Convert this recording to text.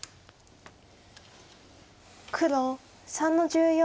黒３の十四。